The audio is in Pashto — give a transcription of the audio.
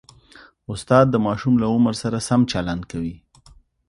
استاد د ماشوم له عمر سره سم چلند کوي.